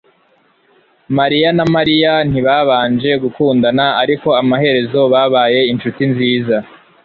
mariya na Mariya ntibabanje gukundana Ariko amaherezo babaye inshuti nziza